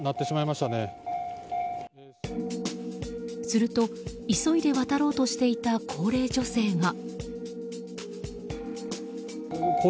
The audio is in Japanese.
すると、急いで渡ろうとしていた高齢女性が。